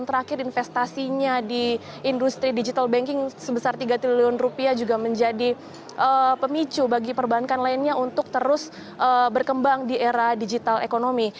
dan terakhir investasinya di industri digital banking sebesar tiga triliun rupiah juga menjadi pemicu bagi perbankan lainnya untuk terus berkembang di era digital ekonomi